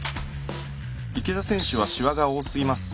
池田選手はシワが多すぎます。